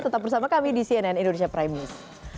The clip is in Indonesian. tetap bersama kami di cnn indonesia prime news